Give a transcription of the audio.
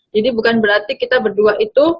jadi bukan berarti kita berdua itu